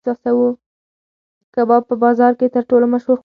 کباب په بازار کې تر ټولو مشهور خوراک و.